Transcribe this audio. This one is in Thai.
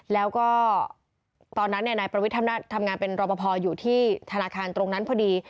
แล้วก็ตอนนั้นนายประวิทย์ทำงานเป็นรอปภอยู่ที่ธนาคารตรงนั้นพอดี